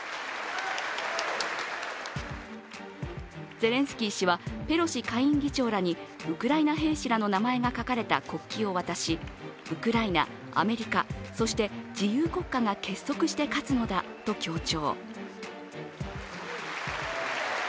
ゼレンスキー氏はペロシ下院議長らにウクライナ兵士らの名前が書かれた国旗を渡しウクライナ、アメリカ、そして自由国家が結束して勝つのだと強調。